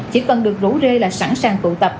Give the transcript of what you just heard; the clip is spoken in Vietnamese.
chỉ cần được rủ rê là sẵn sàng tụ tập